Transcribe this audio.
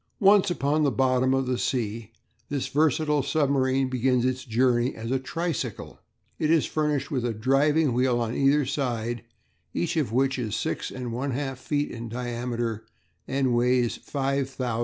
Once upon the bottom of the sea this versatile submarine begins its journey as a tricycle. It is furnished with a driving wheel on either side, each of which is 6 1/2 feet in diameter and weighs 5000 lbs.